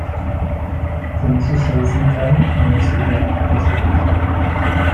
Tiene su sede central en la ciudad de Sevilla.